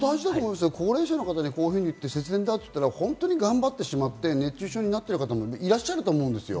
高齢者の方に節電だって言ったら本当に頑張ってしまって、熱中症になってる方もいらっしゃると思うんですよ。